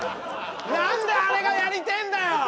何であれがやりてえんだよ！？